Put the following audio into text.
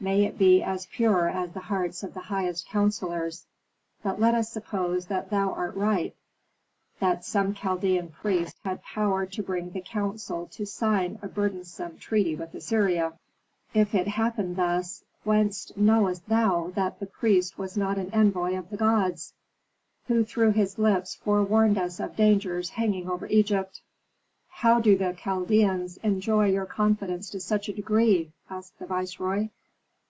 May it be as pure as the hearts of the highest counsellors! But let us suppose that thou art right, that some Chaldean priest had power to bring the council to sign a burdensome treaty with Assyria. If it happened thus, whence knowest thou that that priest was not an envoy of the gods, who through his lips forewarned us of dangers hanging over Egypt?" "How do the Chaldeans enjoy your confidence to such a degree?" asked the viceroy.